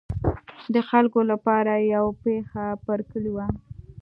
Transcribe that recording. د خلکو لپاره یې یوه پښه پر کلي وه.